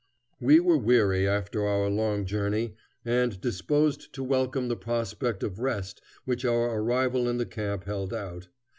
We were weary after our long journey, and disposed to welcome the prospect of rest which our arrival in the camp held out.